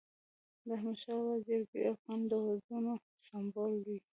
د احمدشاه بابا جرګي د افغان دودونو سمبول وي.